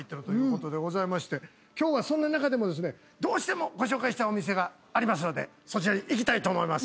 今日はそんな中でもですねどうしてもご紹介したいお店がありますのでそちらに行きたいと思います。